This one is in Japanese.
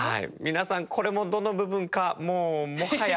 皆さんこれもどの部分かもうもはや。